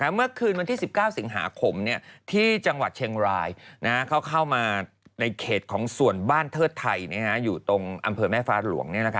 เมื่อคืนวันที่๑๙สิงหาคมที่จังหวัดเชียงรายเขาเข้ามาในเขตของส่วนบ้านเทิดไทยอยู่ตรงอำเภอแม่ฟ้าหลวง